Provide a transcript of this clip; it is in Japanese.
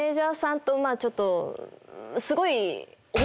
ちょっとすごい。